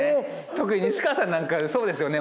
特に西川さんなんかそうですよね。